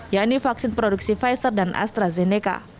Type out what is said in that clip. yakni vaksin produksi pfizer dan astrazeneca